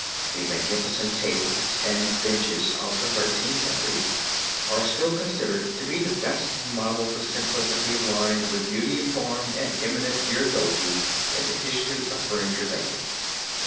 The magnificent tables and benches of the Thirteenth Century are still considered to be the best models of simplicity of line with beauty of form and eminent durability in the history of furniture making.